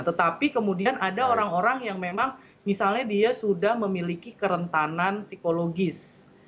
tetapi kemudian ada orang orang yang memang misalnya dia sudah memiliki kerentanan psikologis